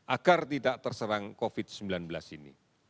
agar tidak terserang covid sembilan belas ini